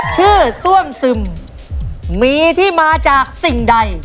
ซ่วมซึมมีที่มาจากสิ่งใด